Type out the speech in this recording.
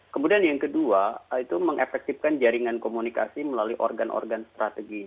kemudian yang kedua itu mengefektifkan jaringan komunikasi melalui organ organ strategi